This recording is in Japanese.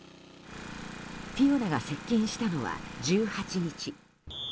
フィオナが接近したのは１８日。